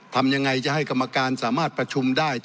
ทำยังไงจะให้กรรมการสามารถประชุมได้